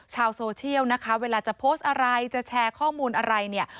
ชาวโซเชียลนะคะเวลาจะโพสต์อะไรจะแชร์ข้อมูลอะไรเนี่ย